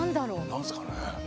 何すかね。